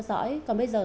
xin cảm ơn